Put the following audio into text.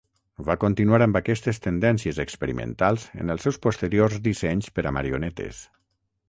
Va continuar amb aquestes tendències experimentals en els seus posteriors dissenys per a marionetes.